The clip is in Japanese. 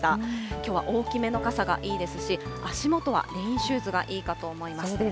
きょうは大きめの傘がいいですし、足元はレインシューズがいいかと思います。